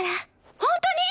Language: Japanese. ホントに？